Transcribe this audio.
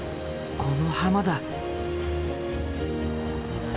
この浜だ。